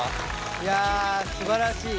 いやすばらしい。